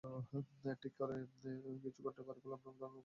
ঠিক কবে এরকম কিছু ঘটতে পারে বলে আপনার ধারণা, প্রফেসর?